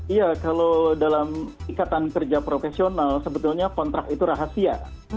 iya kalau dalam ikatan kerja profesional sebetulnya kontrak itu rahasia